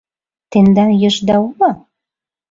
— Тендан ешда уло?